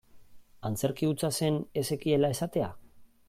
Antzerki hutsa zen ez zekiela esatea?